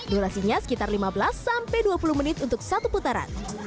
durasinya sekitar lima belas sampai dua puluh menit untuk satu putaran